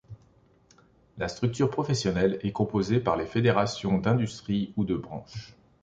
La structure professionnelle est composée par les fédérations d’industrie ou de branche.